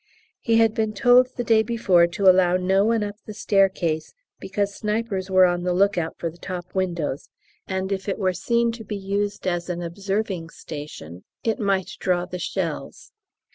He had been told the day before to allow no one up the staircase, because snipers were on the look out for the top windows, and if it were seen to be used as an observing station it might draw the shells.